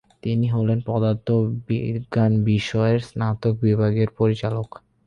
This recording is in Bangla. তিনি হলেন পদার্থবিজ্ঞান বিষয়ের স্নাতক বিভাগের পরিচালক।